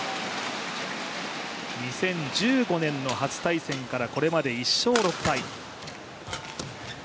２０１５年の初対戦からこれまで１勝６敗。